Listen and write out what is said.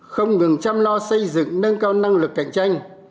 không ngừng chăm lo xây dựng nâng cao năng lực cạnh tranh